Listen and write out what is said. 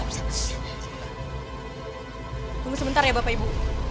tunggu sebentar ya bapak ibu